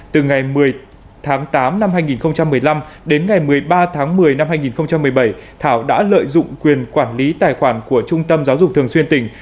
từ ngày một mươi tháng tám năm hai nghìn một mươi năm đến ngày một mươi ba tháng một mươi năm hai nghìn một mươi bảy thảo đã lợi dụng quyền quản lý tài khoản của trung tâm giáo dục thường xuyên tỉnh